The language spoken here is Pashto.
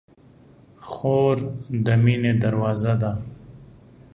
خور د مینې دروازه ده.